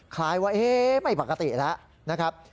คล้ายว่าไม่ปกติแล้วนะครับ